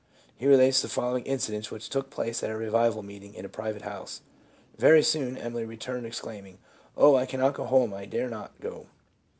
He relates the following incident, which took place at a revival meeting in a private house : "Very soon Emily returned exclaim ing, ' O, I cannot go home, I dare not go.